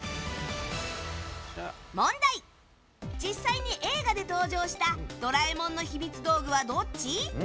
実際に映画で登場した「ドラえもん」のひみつ道具はどっち？